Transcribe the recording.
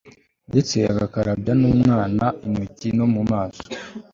ndetse agakarabya n'umwana intoki no mu maso